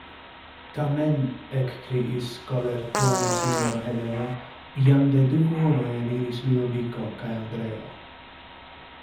Tamen, ekkriis kolertone sinjorino Heleno, jam de du horoj eliris Ludoviko kaj Andreo.